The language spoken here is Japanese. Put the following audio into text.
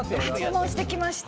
注文してきました。